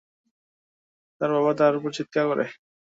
তার বাবা তার উপর চিৎকার করে।